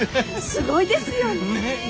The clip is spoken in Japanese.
すごいですよねぇ。